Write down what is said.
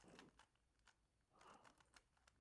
Era una pastoral basada en la caridad fraterna.